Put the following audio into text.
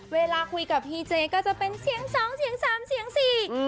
เวลาคุยกับพี่เจก็จะเป็นเสียงสองเสียงสามเสียงสี่